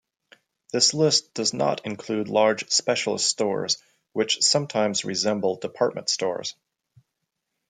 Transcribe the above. This list does not include large specialist stores, which sometimes resemble department stores.